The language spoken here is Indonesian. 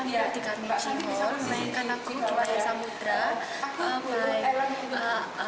saya akan mencintai lagu gila air samudera